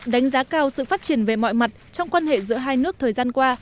đánh giá cao sự phát triển về mọi mặt trong quan hệ giữa hai nước thời gian qua